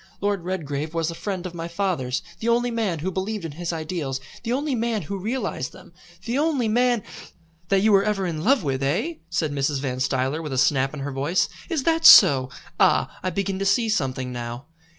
Lord Redgrave was a friend of my father's, the only man who believed in his ideals, the only man who realised them, the only man " "That you were ever in love with, eh?" said Mrs. Van Stuyler with a snap in her voice. "Is that so? Ah, I begin to see something now."